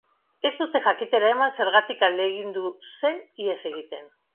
Ez dute jakitera eman zergatik ahalegindu zen ihes egiten.